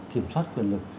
kiểm soát quyền lực